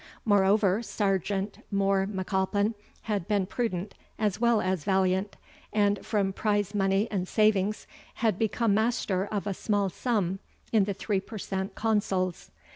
Moreover, Sergeant More M'Alpin had been prudent as well as valiant; and, from prize money and savings, had become master of a small sum in the three per cent consols.